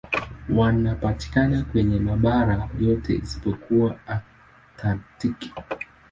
Wanapatikana kwenye mabara yote isipokuwa Antaktiki.